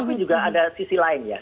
tapi juga ada sisi lain ya